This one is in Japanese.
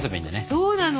そうなの。